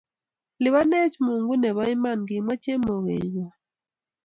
Lipanech Mungu nebo iman kimwa chemogengwai